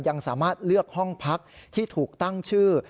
ยังสามารถเลือกห้องพักที่ถูกตั้งชื่อ